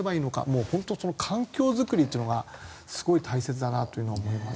もう本当に環境作りというのがすごい大切だなと思います。